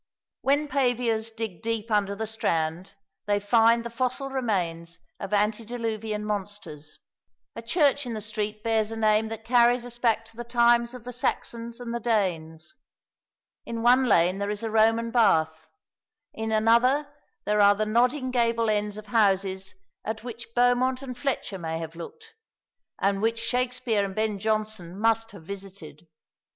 When paviours dig deep under the Strand they find the fossil remains of antediluvian monsters. A church in the street bears a name that carries us back to the times of the Saxons and the Danes. In one lane there is a Roman bath, in another there are the nodding gable ends of houses at which Beaumont and Fletcher may have looked, and which Shakspere and Ben Jonson must have visited.